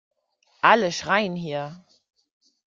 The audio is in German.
Alle schreien hier!